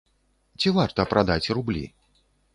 Ці варта прадаць рублі?